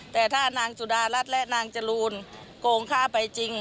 แต่ถ้านางสุดารัฐและนางจรูนโกงค่าไปจริง